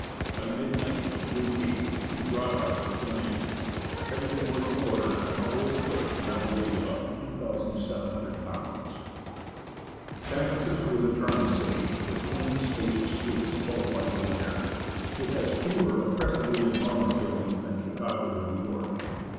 By midnight, June 8th, we brought our work to an end. Everything was in order, and the whole equipment now weighed about 2,700 pounds. San Francisco is a charming city, with clean, spacious streets full of light and air. It has fewer oppressively enormous buildings than Chicago or New York.